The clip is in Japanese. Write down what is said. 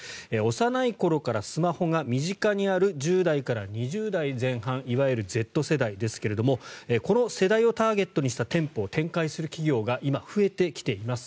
幼い頃からスマホが身近にある１０代から２０代前半いわゆるＺ世代ですがこの世代をターゲットにした店舗を展開する企業が今、増えてきています。